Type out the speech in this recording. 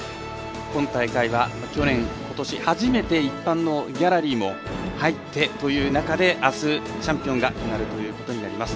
今大会は去年、ことし初めて、一般のギャラリーが入ってという中であす、チャンピオンが決まるということになります。